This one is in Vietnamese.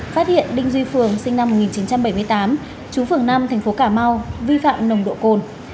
phát hiện đinh duy phường sinh năm một nghìn chín trăm bảy mươi tám chú phường năm thành phố cà mau vi phạm nồng độ cồn